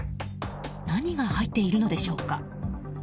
何が入っているのでしょうか。